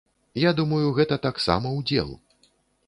Я думаю, гэта таксама ўдзел.